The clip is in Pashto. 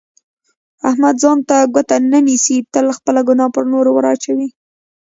احمد ځان ته ګوته نه نیسي، تل خپله ګناه په نورو ور اچوي.